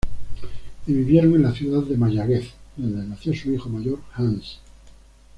Y vivieron en la ciudad de Mayagüez donde nació su hijo mayor, Hans.